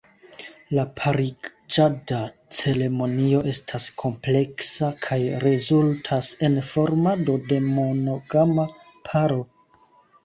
La pariĝada ceremonio estas kompleksa kaj rezultas en formado de monogama paro.